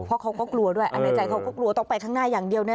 เพราะเขาก็กลัวด้วยอันในใจเขาก็กลัวต้องไปข้างหน้าอย่างเดียวนะ